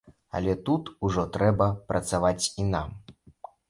Але тут ужо трэба працаваць і нам.